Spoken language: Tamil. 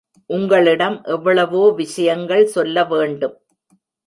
உங்களிடம் எவ்வளவோ விஷயங்கள் சொல்ல வேண்டும்.